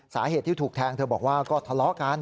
สาเหตุที่ถูกแทงเธอบอกว่าก็ทะเลาะกัน